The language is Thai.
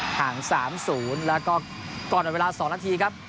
ห่าง๓๐แล้วก็ก่อนเวลา๒นาทีครับ